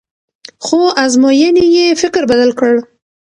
خو ازموینې یې فکر بدل کړ.